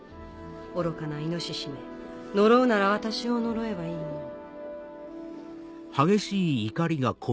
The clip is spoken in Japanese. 愚かな猪め呪うなら私を呪えばいいものを。